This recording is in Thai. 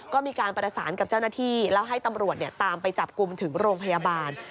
ก็มีการประสานกับเจ้าหน้าที่แล้วให้ตำรวจตามไปจับกลุ่มถึงโรงพยาบาล